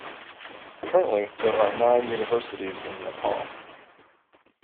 Currently there are nine universities in Nepal.